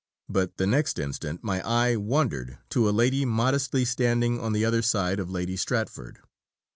But the next instant my eye wandered to a lady modestly standing on the other side of Lady Stratford.